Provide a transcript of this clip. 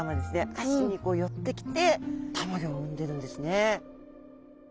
アシにこう寄ってきてたまギョを産んでるんですね。